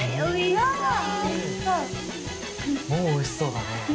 もうおいしそうだね。